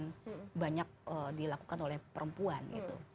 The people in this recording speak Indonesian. yang banyak dilakukan oleh perempuan gitu